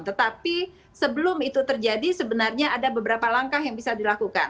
tetapi sebelum itu terjadi sebenarnya ada beberapa langkah yang bisa dilakukan